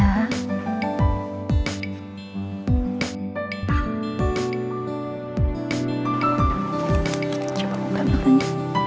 coba buka bukanya